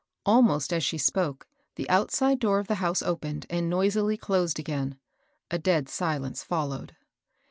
Almost as she spoke, the outside door of the house opened, and noisily closed again. A dead silence followed.